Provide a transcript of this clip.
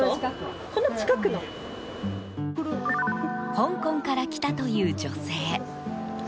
香港から来たという女性。